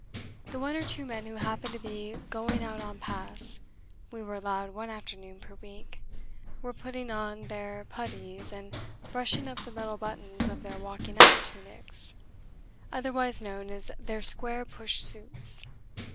The one or two men who happened to be "going out on pass" we were allowed one afternoon per week were putting on their puttees and brushing up the metal buttons of their walking out tunics (otherwise known as their Square Push Suits).